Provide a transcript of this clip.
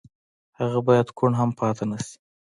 هغه بايد کوڼ هم پاتې نه شي.